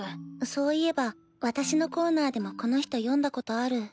そういえば私のコーナーでもこの人読んだことある。